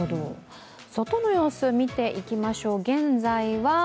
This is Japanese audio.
外の様子を見ていきましょう。